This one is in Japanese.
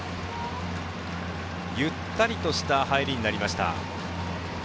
ゆったりとした入りになりました。